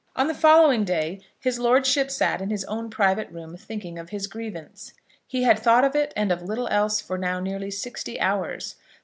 On the following day his lordship sat in his own private room thinking of his grievance. He had thought of it and of little else for now nearly sixty hours.